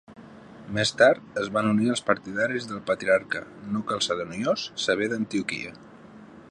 Més tard, es van unir els partidaris del patriarca no calcedoniós Sever d'Antioquia.